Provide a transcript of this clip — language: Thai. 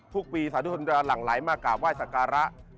ทุกปีสาธุชนจะหลั่งไหลมากราบไห้สักการะ